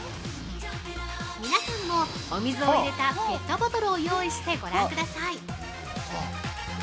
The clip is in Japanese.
皆さんも、お水を入れたペットボトルを用意してご覧ください。